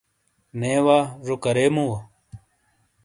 نے وا، زو کرے مووؤ؟